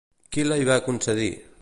Qui la hi va concedir?